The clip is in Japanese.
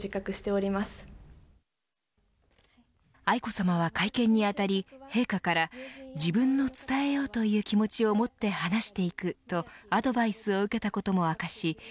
愛子さまは会見にあたり陛下から自分の伝えようという気持ちを持って話していくとアドバイスを受けたことも明かし